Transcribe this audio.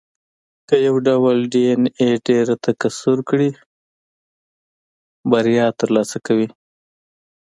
که یو ډول ډېایناې ډېره تکثر کړي، بریا ترلاسه کوي.